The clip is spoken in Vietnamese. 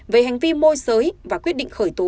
về hành vi môi giới và quyết định khởi tố